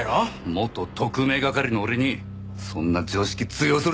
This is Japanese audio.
元特命係の俺にそんな常識通用すると思いますか？